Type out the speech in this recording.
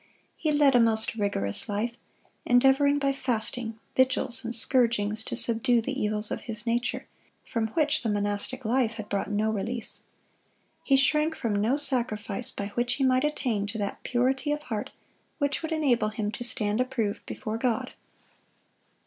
He led a most rigorous life, endeavoring by fasting, vigils, and scourgings to subdue the evils of his nature, from which the monastic life had brought no release. He shrank from no sacrifice by which he might attain to that purity of heart which would enable him to stand approved before God.